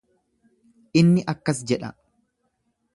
Inni akkas jedha.